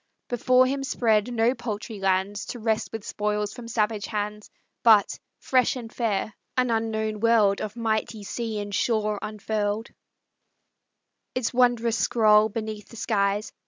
Before him spread no paltry lands, To wrest with spoils from savage hands; But, fresh and fair, an unknown world Of mighty sea and shore unfurled Its wondrous scroll beneath the skies.